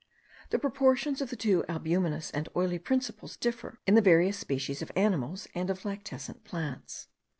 The proportions of the two albuminous and oily principles differ in the various species of animals and of lactescent plants.